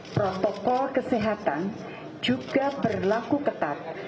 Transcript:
protokol kesehatan juga berlaku ketat